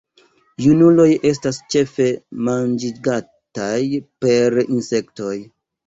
Junuloj estas ĉefe manĝigataj per insektoj.